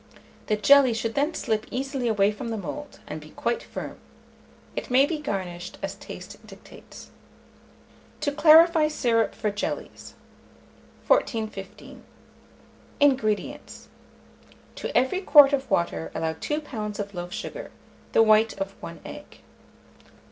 The jelly should then slip easily away from the mould, and be quite firm. It may be garnished as taste dictates. TO CLARIFY SYRUP FOR JELLIES. 1415. INGREDIENTS. To every quart of water allow 2 lbs. of loaf sugar; the white of 1 egg.